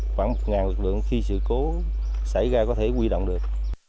khoảng một lực lượng khi sự cố xảy ra có thể quy động được